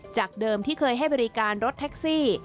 จากเดิมที่เคยให้บริการรถแท็กซี่